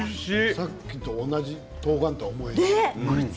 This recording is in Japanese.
さっきと同じとうがんとは思えない。